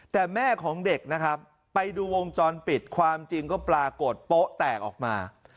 แต่แม่ของเด็กนะครับไปดูวงจรปิดความจริงก็ปรากฏโป๊ะแตกออกมา